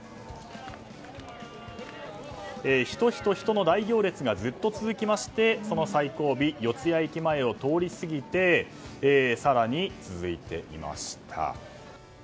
人、人、人の大行列がずっと続きましてその最後尾、四ツ谷駅前を通り過ぎて更に続いていました。